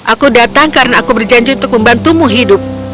aku datang karena aku berjanji untuk membantumu hidup